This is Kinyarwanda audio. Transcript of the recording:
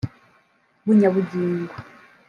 Bunyabungo